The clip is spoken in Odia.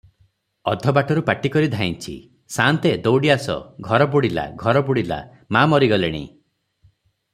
ଅଧବାଟରୁ ପାଟିକରି ଧାଇଁଛି- "ସାନ୍ତେ, ଦଉଡ଼ି ଆସ, ଘର ବୁଡ଼ିଲା, ଘର ବୁଡ଼ିଲା, ମା ମରିଗଲେଣି ।"